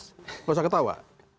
tidak usah ketawa